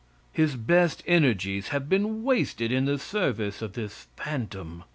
His best energies have been wasted in the service of this phantom.